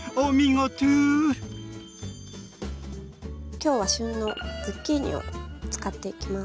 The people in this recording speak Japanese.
今日は旬のズッキーニを使っていきます。